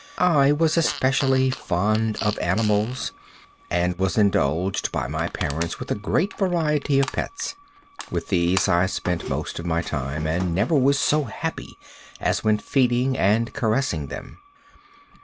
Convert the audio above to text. I was especially fond of animals, and was indulged by my parents with a great variety of pets. With these I spent most of my time, and never was so happy as when feeding and caressing them.